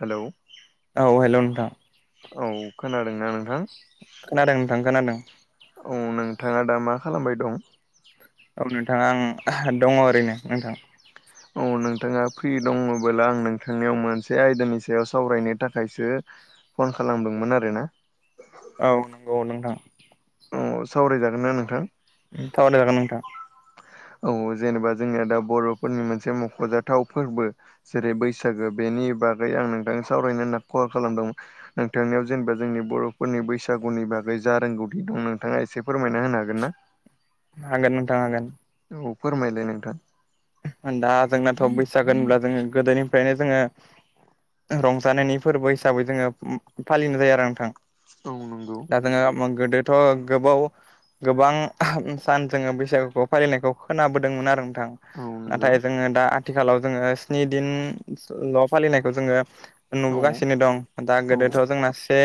Hello. औ हेल' नोंथां। औ खोनादोंना नोंथां। खोनादों नोंथां खोनादों। औ नोंथाङा दा मा खालामबाय दं। औ नोंथाङा आं दङ ओरैनो नोंथां। औ नोंथाङा फ्रि दङबोला आं नोंथांनियाव मोनसे आयदानि सायाव सावरायनो थाखायसो फन खालामदोंमोन आरोना। औ नंगौ नोंथां। अ सावरायजागोन ना नोंथां। थावदाय जागोन नोंथां। औ जेनेबा जोंनिया दा बर'फोरनि मोनसे मख'जाथाव फोरबो। जेरै बैसागो बेनि बागै आं नोंथां सावरायनो होनना खहा खालामदोंमोन। नोंथांनियाव जेनेबा जोंनि बर'फोरनि बैसागुनि बागै जा रोंगौथि दं नोंथाङा एसे फोरमायना होनो हागोन ना? हागोन नोंथां हागोन। औ फोरमायलाय नोंथां। दा जोंनाथ' बैसागोन होनब्ला जोङो गोदोनिफ्रायनो जोङो रंजानायनि फोरबो हिसाबै जोङो फालिनाय जायो आरो नोंथां। औ नंगौ। दा जोङो गोदोथ' गोबाव गोबां सान जोङो बैसागुखौ फालिनायखौ खोनाबोदोंमोन आरो नोंथां। औ नंगौ नाथाय जोङो दा आथिखालाव जोङो स्नि दिनल' फालिनायखौ जोङो औ नुबोगासिनो दं दा औ गोदोथ' जोंना से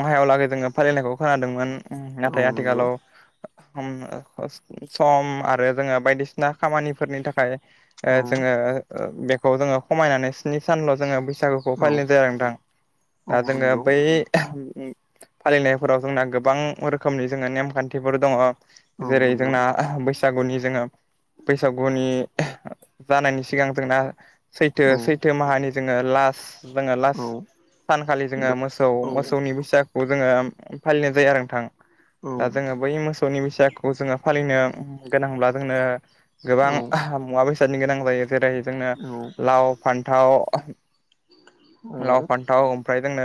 महायाव लागै जोङो फालिनायखौ खोनादोंमोन। नाथाय नंगौ आथिखालाव [inaudible] सम आरो जोङो बायदिसिना खामानिफोरनि थाखाय ओ औ जोङो बेखौ जोङो खमायनानै स्नि सानल' जोङो बैसागुखौ औ फालिनाय जायो आरो नोंथां औ दा जोङो नंगौ बै फालिनायफोराव जोंना गोबां रोखोमनि जोंङो नेमखान्थिफोर दङ औ जेरै नंगौ जोंना बैसागुनि जोङो बैसागुनि जानायनि सिगां जोंना सैथो औ सैथो माहानि जोङो लास्ट जोङो लास्ट औ सानखालि जोङो बा मोसौ औ मोसौनि बैसाग खौ जोङो फालिनाय जायो आरो नोंथां औ दा जोङो बै मोस सौनि बैसागोखौ जोङो फालिनो गोनांब्ला जोंनो औ गोबां मुवा बेसादानि गोनां जायो जेरै जोंनो औ लाव फान्थाव औ लाव फान्थाव ओमफ्राय जोंनो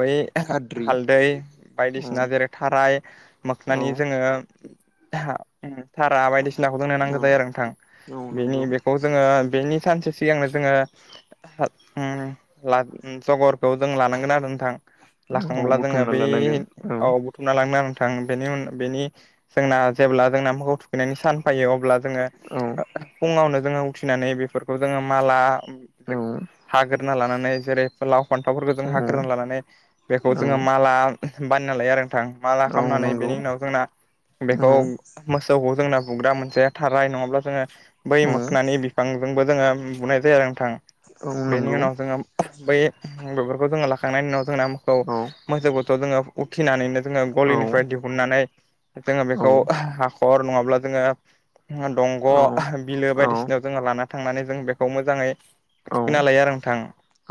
बै खाद्रि हालदै औ बायदिसिना जेरै थाराय औ मोखनानि जोङो था-थारा बायदिसिनाखौ जोंनो नांगौ जायो आरो नोंथां औ बेनि नंगौ बेखौ जोंङो बेनि सानसे सिगांनो जोङो जगर खौ जों लानांगोन आरो नोंथां औ लाखांब्ला जोङो बुथुमना बै लानांगोन औ थुमना लांना नोंथां बेनि उन बेनि जोंना जेब्ला जोंना माखौ नायनि सान फैयो अब्ला जोङो औ फुङावनो जोङो उथिनानै बेफोरखौ जोङो माला औ हागोरना लानानै जेरै लाव फान्थावफोरखौ जों हाग्रोना औ लानानै बेखौ जोङो माला बानायना लायो आरो माला औ खालामनानै नंगौ बेनि उनाव जोंना औ बेखौ मोसौखौ जोंना बुग्रा मोनसे थारा नङाब्ला जोङो बै औ मोखोननि बिफांजोंबो जोङो बुनाय जायो नोंथां औ बेनि नंगौ उनाव जोङो बै बेफोरखौ जोङो लाखांनायनि उनाव जोंना मखौ औ मोसौ बुथुआव जोङो उखिनानैनो जोङो औ गलिनिफ्राय दिहुननानै जोङो औ बेखौ हाखर नङाब्ला जोङो दंग' बिलो औ बायदिसिनायाव जोङो लाना थांनानै जों बेखौ मोजाङै औ थुखैना लायो आरो नोंथां।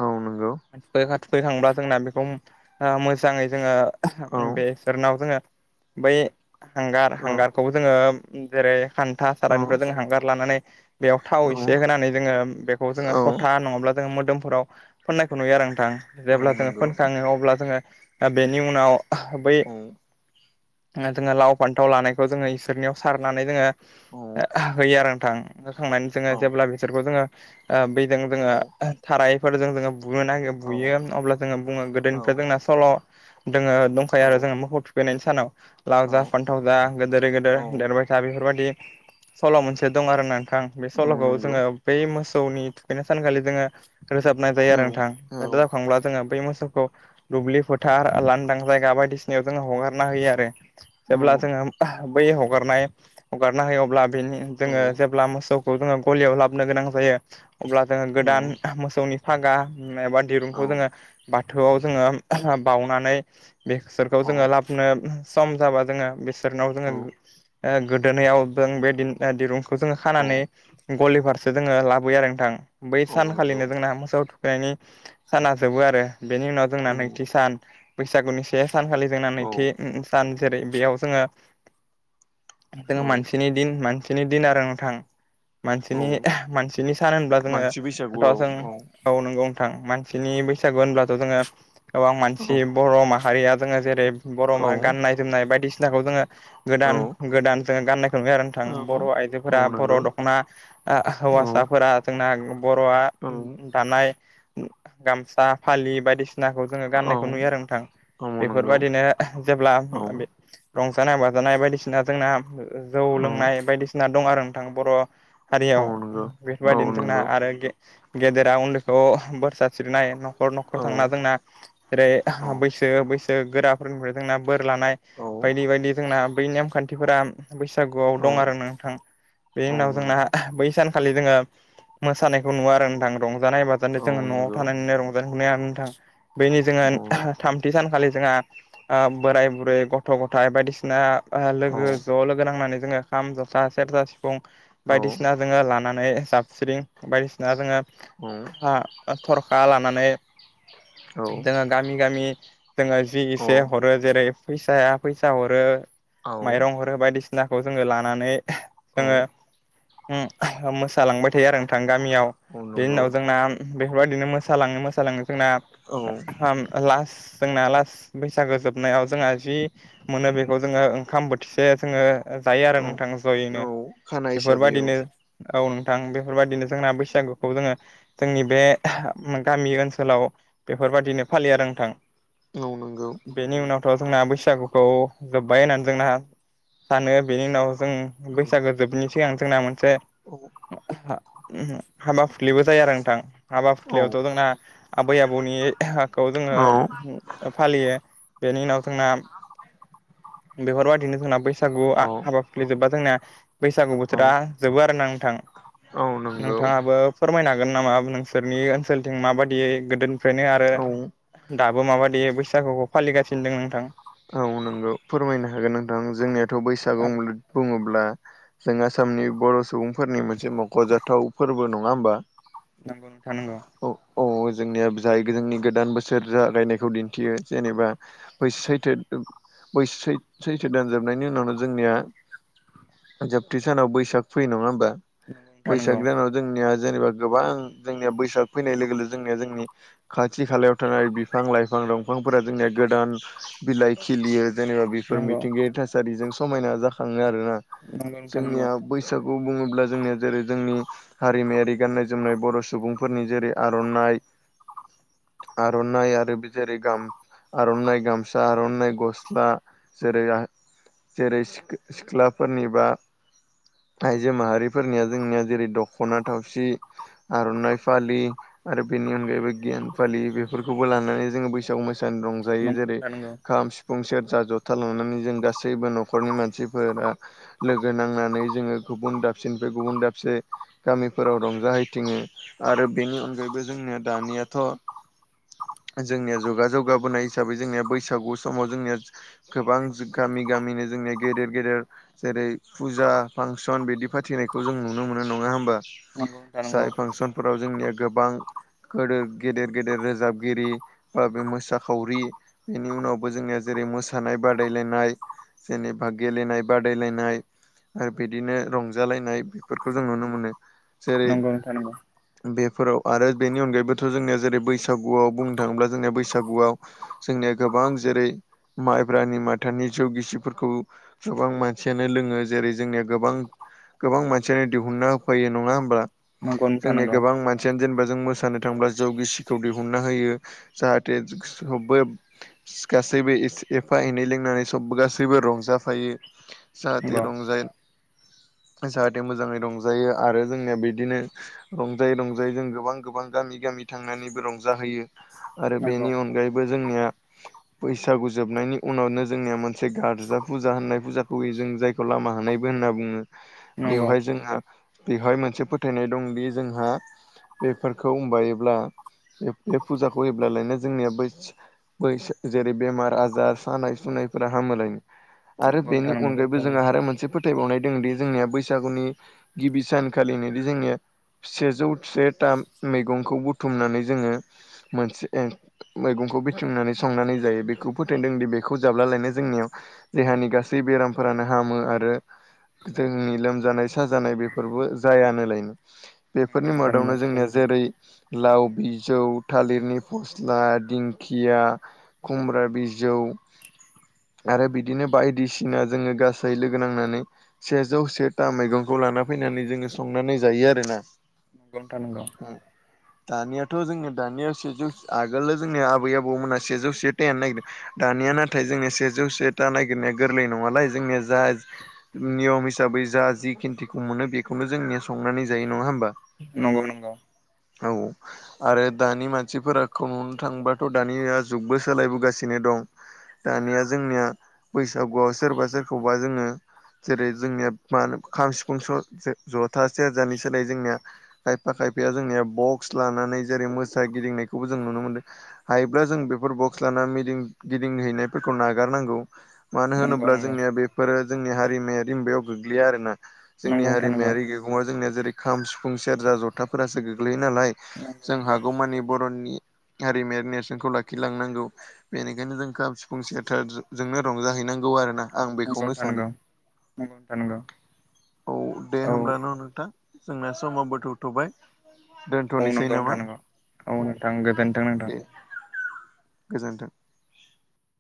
औ नंगौ थुखैखांब्ला जोंना बेखौ मोजाङै जोङो औ बेसोरनाव जोङो बै हांगार औ हांगारखौ जोङो जेरै खान्था सारयनिफ्राय जों हांगार माने बेयाव थाव एसे होनानै जोङो बेखौ जोङो। था नङाब्ला जोङो मोदोमफोराव फोननायखौ नुयो आरो नोंथां औ जेब्ला जोङो नंगौ फोनखाङो अब्ला जोङो दा बेनि उनाव बै मानसि जोङो लाव फान्थाव लानायखौ जोङो इसोरनियाव सारनानै जोङो बैसागुआव औ होयो आरो। थां होखांनानै जोङो जेब्ला बिसोरखौ जोङो बैजों जोङो थारायैफोरजों जोङो बुनो नागिर बुयो अब्ला जोङो बुङो गोदोनिफ्राय जोंना सल' दोङो दंखायो आरो औ जोङो मोखौ थुखैनायनि सानाव। लाव औ जा फान्थाव जा गोदोरै गोदोर देरबाय औ था बेफोरबायाददि सल' मोनसे दं आरोना नोंथां बे सल'खौ नंगौ जोङो बै मोसौनि थुखैनाय सानखालि जोङो रोजाबनाय जायो औ आरो नोंथां दा औ रोजाबखांब्ला जोङो बै मोसौखौ दुब्लि फोथार लांदां जायगा बायदिसिनायाव जोङो हगारना होयो आरो औ जेब्ला जोङो बै हगारनाय हगारना होयो अब्ला बेनि जोङो औ जेब्ला मोसौ खौ जोङो गलियाव लाबनो गोनां जायो अब्ला जोङो गोदान मोसौनि फागा एबा दिरुंखौ जोङो बाथौआव जोङो बावनानै बेसोरखौ जोङो ला नो सम जाबा जोङो बिसोरनाव जोङो ओ गोदोनायाव दों बेदिन ओ दिरुंखौ जोङो खानानै गलिफारसे जोङो लाबोयो आरो नोंथां बै सानखालिनो जोंना मोसौ थुखैनायनि साना जोबो आरो बेनि उनाव जोंना नैथि सान बैसागुनि से सानखालि जोंना नैथि सान जेरै बेयाव जोङो जोङो मानसिनि दिन मान सिनि दिन आरो नोंथां मानसिनि मानसिनि सान होनब्ला जोङो दा जों औ नंगौ नोंथां मानसिनि बैसागु होनब्लाथ' जोङो गोबां मानसि बर' माहारिया जोङो जेरै बर' मा गाननाय जोमनाय बायदिसिनाखौ जोङो गोदान गोदान जोङो गाननायखौ नुयो आरो नोंथां बर' आइजोफोरा बर' दख'ना हौवासाफोरा जोंना बर'आ दानाय गामसा फालि बायदिसि नाखौ जोङो गान्नायखौ नुयो आरो नोंथां नंगौ बेफोरबायदिनो जेब्ला औ रंजानाय बाजानाय बायदिसिना जोंना जौ औ लोंनाय बायदिसिना दं आरो नोंथां बर' हारियाव औ नंगौ औ बेफोरबायदिनो जोंना नंगौ आरो गे-गेदेरा उन्दैखौ बोरसा सिबनाय न'खर न'खर औ थांना जोंना जेरै औ बैसो बैसो गोरा फोरनिफ्राय जोंना बोर लानाय औ बायदि बायदि जोंना बै नेमखान्थिफोरा बैसागु औ दं आरो नोंथां बेनि औ उनाव जोंना नंगौ बै सान खालि जोङो मोसानायखौ नुवा आरो नोंथां रंजानाय बाजानाय औ जोङो न'आव नंगौ थानानैनो रंज बेनुहरनाया नोंथां बेनि जोङो औ थामथि सानखालि जोंहा ओ बोराय बुरै गथ' गथायाइ बायदिसिना ओ औ लोगो ज' लोगो नांनानै जोङो खाम जथा सेरजा सिफुं औ बायदिसिना जोङो लानानै जाबस्रिं बायदिसिना जोङो थरखा लानानै औ जोङो गामि गामि जोङो जि औ एसे हरो जेरै फैसाया फैसा हरो औ माइरं हरो बायदिसिनाखौ जोङो लानानै औ जोङो मोसालांबाय थायो आरो नोंथां गामियाव औ बेनि नंगौ उनाव जोंना बेफोरबायदिनो मोसालाङो मोसालाङो जोंना औ खाम लास्ट जोंना लास्ट बैसागो जोबनायाव जोंहा जि मोनो बेखौ जोङो ओंखाम बोथिसे जोङो जायो आरो औ नोंथां जयैनो औ खाना हिसाबै औ बेफोरबायदिनो औ नोंथां बेफोरबायदिनो जोंना बैसागुखौ जोङो जोंनि बे गामि ओनसोलाव बेफोरबादिनो फालियो आरो नोंथां औ नों बेनि उनावथ' जोंना बैसागुखौ जोब्बाय होननानै जोंना सानो बेनि उनाव जों औ बैसागो जोबिनि सिगां जोंना मोनसे औ हाबा फुथलिबो जाया आरो नोंथां हाबा फुथलियावथ' जोंना आबै आबौनिखौ औ जोङो फालियो बेनि उनाव जोंना बेफोरबायादिनो जोंना बैसा सागुआ औ हाबाफुथलि जोबबा जोंना बैसागु बोथोरा औ जोबो आरो ना नोंथां औ नंगौ नोंथाङाबो फोरमायनो हागोन नामा नोंसोरनि ओनसोलथिं माबायदि गोदोनिफ्रायनो आरो औ दाबो माबायदि बैसागुखौ फालिगासिनो दं नोंथां औ नोंगौ फोरमायनो हागोन नोंथां जोंनियाथ' औ बैसागु बुङोब्ला जों आसामनि बर' सुबुंफोरनि मो से मख'जाथाव फोरबो नङा होमबा नंगौ नोंथां नंगौ। औ अव जोंनिया जाय जोंनि गोदान बोसोर जागायनायखौ दिन्थियो जेनेबा बैस-सैथो बैस-सैथो दानजोबनायनि उनावनो जोंनिया जोबथे सानाव बैसाग फैयो नङा होमबा नंगौ नोंथां बैसाग नंगौ दानाव जोंनिया जेनेबा गोबां जोंनिया बैसाग फैनाय लोगो लोगो जोंनिया जोंनि। खाथि खालायाव थानाय बिफां लाइफां दंफांफोरा जोंनिया गोदान। बिलाइ खिलियो जेनेबा बेफोर नंगौ मिथिंगायारि थासारिजों समायना जाखाङो आरो ना। जोंनिया बैसागु बुङोब्ला जोंनिया जेरै जोंनि हारिमायारि गाननाय जोमनाय बर' सुबुंफोरनि जेरै आर'नाइ आर'नाइ आरो जेरै गाम-आर'नाइ गामसा आर'नाइ गस्ला जेरै आ जेरै सिख- सिख्लाफोरनि बा आइजो माहारिफोरनिया जोंनिया जेरै दख'ना थावसि आर'नाइ फालि आरो बेनि अनगायैबो गियान फालि बेफोरखौबो लानानै जोङो बैसागु मो नंगौ रंजायो जेरै नोंथां नंगौ खाम सिफुं सेरजा जथा लानानै जों गासैबो न'खरनि मानसिफोरा लोगो नांनानै जोङो गुबुन दाबसेनिफ्राय गुबुन दाबसे गामिफोराव रंजाहैथिङो आरो बेनि अनगायैबो जोंनिया दानियाथ'। जोंनिया जुगा जौगाबोनाय हिसाबै जोंनिया बैसागु समाव जोंनिया गोबां गामि गामिनि जोंनिया गेदेर गेदेर जेरै फुजा फांसन बिदि फाथिनायखौ जों नुनो मोनो नङा होमबा। नंगौ नोंथां नंगौ जाय फांसनफोराव जोंनिया गोबां गोदोर गेदेर गेदेर रोजाबगिरि बा बे मोसाखावरि बेनि उनावबो जोंनिया जेरै मोसानाय बादायलायनाय जेनेबा गेलेनाय बादायलायनाय आरो बिदिनो रंजालायनाय बेफोरखौ जों नुनो मोनो जेरै नंगौ नोंथां नंगौ बेफोराव आरो बेनि अनगायैबोथ' जोंनिया जेरै बैसागुआव बुंनो थाङोब्ला जोंनिया बैसागुआव जोंनिया गोबां जेरै माइब्रानि माथानि जौ गिसिफोरखौ गोबां मानसियानो लोङो जेरै जोंनिया गोबां गोबां मानसियानो दिहुनना होफैयो नङा होमब्ला नंगौ नोंथां नंगौ नोंथां जोंनिया नंगौ गोबां मान सियानो जेनेबा जों मोसानो थांब्ला जौ गिसिखौ दिहुनना होयो नंगौ। जाहाथे सबबो गासैबो एसे एफा एनै लोंनानै सब गासैबो रंजाफायो। नंगौ जाहाथे रंजा जाहाथे मोजाङै रंजायो आरो जोंनिया बिदिनो रंजायै रंजायै जों गोबां गोबां गामि गामि थांनानैबो रंजाहोयो। आरो नंगौ बेनि अनगायैबो जोंनिया बैसागु जोबनायनि उनावनो जोंनिया मोनसे मोनसे गारजा फुजा होननाय फुजाखौ होयो जों जायखौ लामा हानायबो होनना बुङो। नंगौ बेवहाय जोंहा बिवहाय मोनसे फोथायनाय दंदि जोंहा बेफोरखौ माबायोब्ला बे फुजाखौ हैयोब्लालायनो जोंनिया बो बैस जेरै बेमार आजार सानाय सुनायफोरा हामोलायनो नंगौ आरो नोंथां बेनि अनगायैबो आरो जोंहा आरो मोनसे फोथायबावनाय दङदि जोंनिया बैसागुनि गिबि सानखालिनोदि जोंनिया सेजौ सेथा मैगंखौ बुथुमनानै जोङो मोनसे मैगंखौ बुथुमनानै संनानै जायो बेखौ फोथायदों दि बेखौ जाब्लालायनो जोंनियाव देहानि गासै बेरामफोरानो हामो आरो जोंनि लोमजानाय साजानाय बेफोरबो जायालायनो। नंगौ बेफोरनि मादावनो नंगौ जोंनिया जेरै लाव बिजौ थालिरनि फस्ला दिं खिया खुमब्रा बिजौ आरो बिदिनो बायदिसिना जोङो गासै लोगो नांनानै सेजौ सेथा मैगंखौ लाना फैनानै जोङो संनानै जायो आरोना। नोंथां नंगौ ओम दानियाथ' जोंना दानिया सेजौ आगोलनो जोंनिया आबै आबौमोना सेजौ से थाइनो नागिरदों। दानिया नाथाय जोंना सेजौ से था नागिरनाया गोरलै नङालै जोंनिया जा नियम हिसाबै जा जि खिन्थिखौ मोनो बेखौनो जोंनिया संनानै जायो नङा होमबा। नंगौ नंगौ औ आरो दानि मानसिफोराखौ नुनो थांबा थ' दानिया जुगबो सोलायबोगासिनो दं दानिया जोंनिया बैसागुआव सोरबा सोरखौबा जोङो जेरै जोंनिया मा होनो खाम सिफुं स जों ज'था सेरजानि सोलाय जोंनिया खायफा खायफाया जोंनिया बक्स लानानै जेरै मोसा गिदिंनायखौबो जों नुनो मोनदों। हायोब्ला जों बेफोर बक्स लाना मिदिं गिदिंहैनायफोरखौ नागारनांगौ। मानो नोंथां नंगौ होनोब्ला जोंनिया बेफोरो जोंनि हारिमायारि बेयाव गोग्लैया आरोना जोंनि नंगौ नंगौ नंगौ हारिमायारि नङा जोंनिया जेरै खाम सिफुं सेरजा जथाफोरासो गोग्लैयो नालाय नोंथां नंगौ जों हागौमानि बर'नि हारिमायारि नेर सेनखौ लाखिलांनांगौ बेनिखायनो जों खाम सिफुं सेेरथार जोंनो रंजाहैनांगौ आरो ना। आं नंगौ बेखौनो नंगौ नोंथां सानो नंगौ नंगौ नोंथां नंगौ औ दे औ होमब्ला न' नोंथां जोंना समावबो थौथ'बाय। औ दोनथ'नोसै नंगौ नामा नोंथां नंगौ औ नोंथां गोजोनथों नोंथां दे गोजोन्थों